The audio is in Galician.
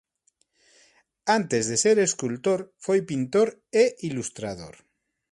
Antes de ser escultor foi pintor e ilustrador.